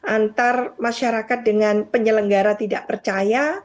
antar masyarakat dengan penyelenggara tidak percaya